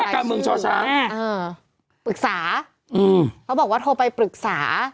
เขาบอกว่าโทรไปปรึกษา